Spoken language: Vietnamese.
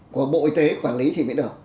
của bộ y tế quản lý thì mới được